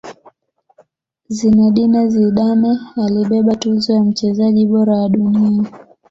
zinedine zidane alibeba tuzo ya mchezaji bora wa dunia